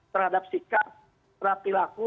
terhadap sikap terhadap pilaku